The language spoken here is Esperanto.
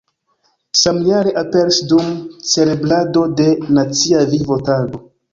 Samjare aperis dum celebrado de Nacia Vivo-Tago.